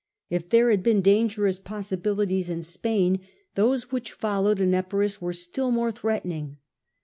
If there had been dangerous possibilities in Spain, those which followed in Epirus were still more threatening.